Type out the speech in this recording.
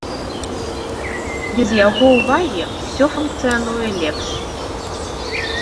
Без яго ўвагі ўсё функцыянуе лепш.